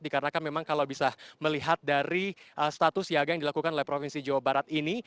dikarenakan memang kalau bisa melihat dari status siaga yang dilakukan oleh provinsi jawa barat ini